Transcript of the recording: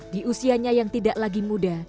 di usianya yang tidak lagi muda